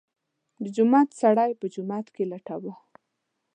د جومات سړی په جومات کې لټوه.